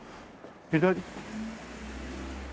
左？